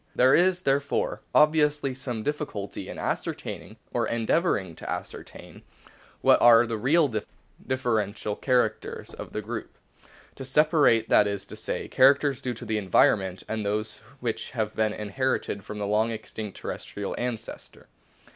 There is, therefore, obviously some diffi culty in ascertaining, or endeavouring to ascertain, what are the real differential characters of the group ; to separate, that is to. say, characters due to the environment and those which have been inherited from the long extinct terrestrial ancestor.